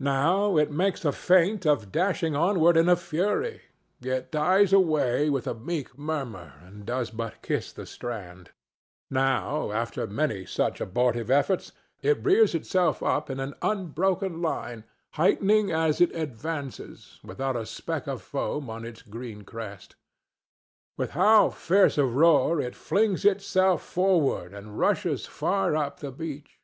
Now it makes a feint of dashing onward in a fury, yet dies away with a meek murmur and does but kiss the strand; now, after many such abortive efforts, it rears itself up in an unbroken line, heightening as it advances, without a speck of foam on its green crest. With how fierce a roar it flings itself forward and rushes far up the beach!